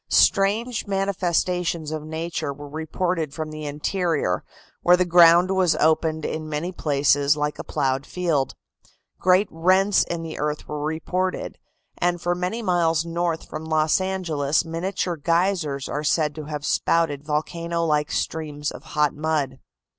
Strange manifestations of nature were reported from the interior, where the ground was opened in many places like a ploughed field. Great rents in the earth were reported, and for many miles north from Los Angeles miniature geysers are said to have spouted volcano like streams of hot mud.